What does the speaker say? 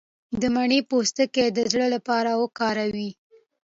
د مڼې پوستکی د زړه لپاره وکاروئ